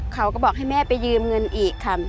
เขาก็บอกให้แม่ไปยืมเงินอีกค่ะ